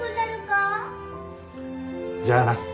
じゃあな。